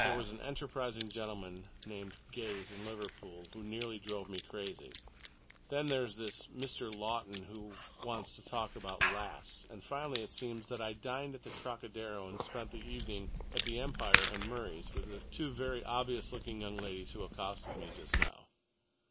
There was an enterprising gentleman named Gayes in Liverpool, who nearly drove me crazy, then there's this Mr. Lawton who wants to talk about lasts, and finally it seems that I dined at the Trocadero and spent the evening at the Empire and Murray's with the two very obvious looking young ladies who accosted me just now.